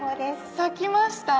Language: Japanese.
咲きました。